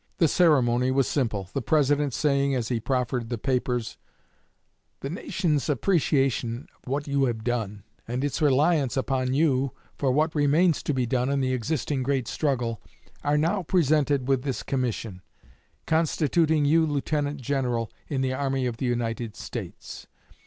The ceremony was simple, the President saying, as he proffered the papers: "The nation's appreciation of what you have done, and its reliance upon you for what remains to be done in the existing great struggle, are now presented with this commission, constituting you Lieutenant General in the Army of the United States.